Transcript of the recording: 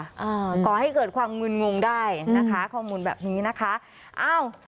อ่าก่อให้เกิดความมึนงงได้นะคะข้อมูลแบบนี้นะคะอ้าว